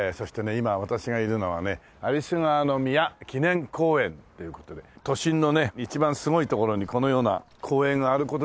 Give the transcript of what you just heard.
今私がいるのはね有栖川宮記念公園っていう事で都心のね一番すごい所にこのような公園がある事自体すごいです。